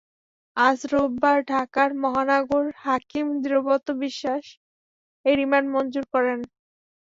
আজ রোববার ঢাকার মহানগর হাকিম দেবব্রত বিশ্বাস এই রিমান্ড মঞ্জুর করেন।